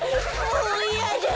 もういやだ。